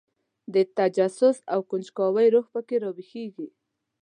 د تجسس او کنجکاوۍ روح په کې راویښېږي.